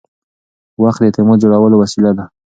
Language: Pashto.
وخت د اعتماد جوړولو وسیله ده.